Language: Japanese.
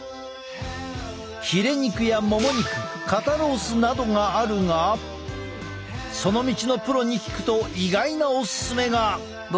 ヒレ肉やモモ肉肩ロースなどがあるがその道のプロに聞くと意外なオススメが。